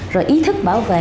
rồi ý thức bảo vệ